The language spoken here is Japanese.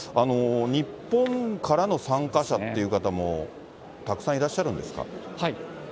日本からの参加者という方もたくさんいらっしゃるんですか。